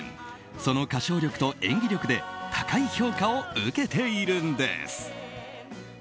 その歌唱力と演技力で高い評価を受けているんです。